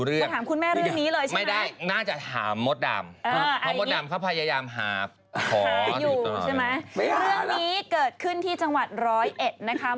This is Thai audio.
เรื่องนี้เกิดขึ้นที่จังหวัดร้อยเอ็ดนะคะ